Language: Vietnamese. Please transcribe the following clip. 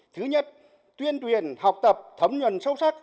thứ nhất tuyên truyền học tập thấm nhuận sâu sắc